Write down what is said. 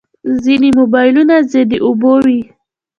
ځینې موبایلونه ضد اوبو وي.